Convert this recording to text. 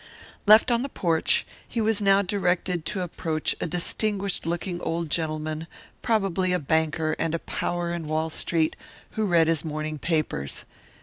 Left on the porch, he was now directed to approach a distinguished looking old gentleman, probably a banker and a power in Wall Street, who read his morning papers.